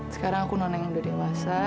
sekarang aku nona yang udah dewasa